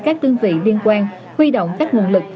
các đơn vị liên quan huy động các nguồn lực